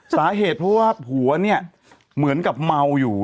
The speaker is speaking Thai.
สาเหตุเพราะว่าผัวเนี่ยเหมือนกับเมาอยู่